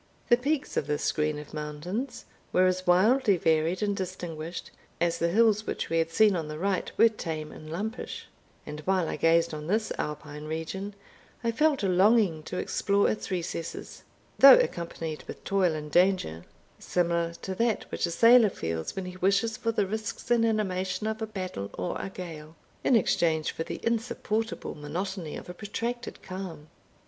The peaks of this screen of mountains were as wildly varied and distinguished, as the hills which we had seen on the right were tame and lumpish; and while I gazed on this Alpine region, I felt a longing to explore its recesses, though accompanied with toil and danger, similar to that which a sailor feels when he wishes for the risks and animation of a battle or a gale, in exchange for the insupportable monotony of a protracted calm.